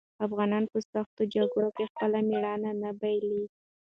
افغانان په سختو جګړو کې خپل مېړانه نه بايلي.